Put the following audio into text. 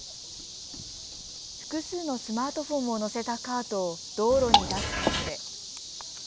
複数のスマートフォンを乗せたカートを道路に出すことで。